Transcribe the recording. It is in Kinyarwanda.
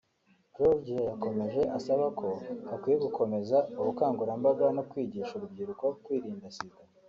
Georigia yakomeje asaba ko hakwiye gukomeza ubukangurambaga no kwigisha urubyiruko kwirinda Sida